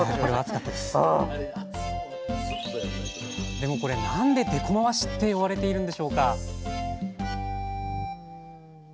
でもこれなんで「でこまわし」って呼ばれているんでしょうか？